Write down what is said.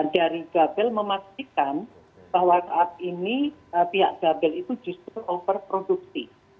dari gabel memastikan bahwa saat ini pihak gabel itu justru overproduksi